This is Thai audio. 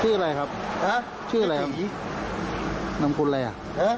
ชื่ออะไรครับอ่าชื่ออะไรครับนามสกุลอะไรอ่ะอ่า